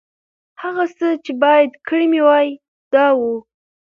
هغه څه چې باید کړي مې وای، دا و.